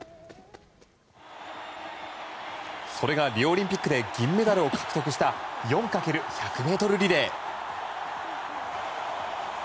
それがリオオリンピックで銀メダルを獲得した４×１００ｍリレー。